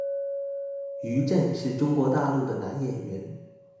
于震是中国大陆的男演员。